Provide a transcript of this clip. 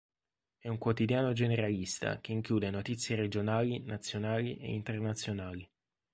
È un quotidiano generalista che include notizie regionali, nazionali e internazionali.